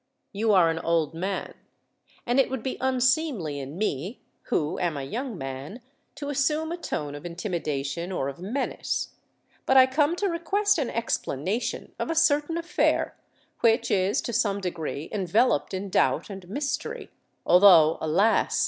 You are an old man—and it would be unseemly in me, who am a young man, to assume a tone of intimidation or of menace. But I come to request an explanation of a certain affair which is to some degree enveloped in doubt and mystery—although, alas!